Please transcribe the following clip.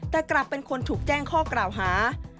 แต่กลับเป็นคนถูกแจ้งข้อกล่าวหา